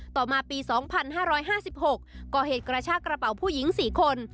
ต่อมาปี๒๕๕๖ก่อเหตุกระชากระเป๋าผู้หญิง๔คน